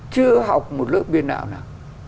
chưa học một lớp biên đạo nào